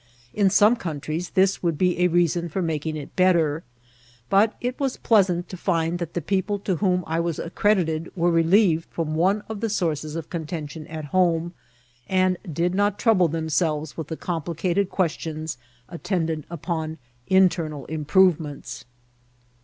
In some countries this would be a reason for making it better ; but it was pleasant to find that the people to whom I was accredited were relieved firom one of the sources of contention at home, and did not trouble themselves with the complicated questions attendant upon internal improvements.